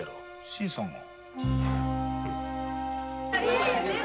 新さんが！